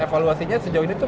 evaluasinya sejauh ini tuh